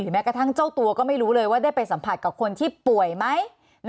แม้กระทั่งเจ้าตัวก็ไม่รู้เลยว่าได้ไปสัมผัสกับคนที่ป่วยไหม